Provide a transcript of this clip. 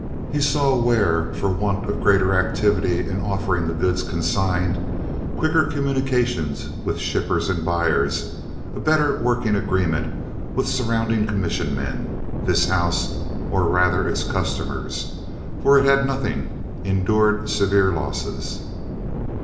He saw where, for want of greater activity in offering the goods consigned—quicker communication with shippers and buyers, a better working agreement with surrounding commission men—this house, or, rather, its customers, for it had nothing, endured severe losses.